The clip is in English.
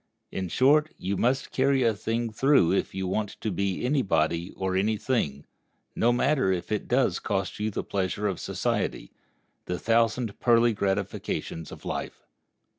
In short, you must carry a thing through if you want to be any body or any thing, no matter if it does cost you the pleasure of society, the thousand pearly gratifications of life.